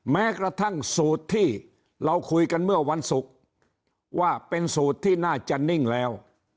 แม้กระทั่งสูตรที่เราคุยกันเมื่อวันศุกร์ว่าเป็นสูตรที่น่าจะนิ่งแล้ว